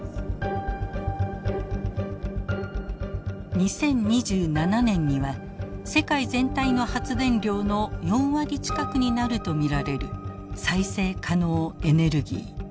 ２０２７年には世界全体の発電量の４割近くになると見られる再生可能エネルギー。